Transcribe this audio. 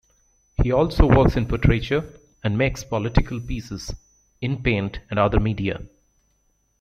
He also works in portraiture and makes political pieces, in paint and other media.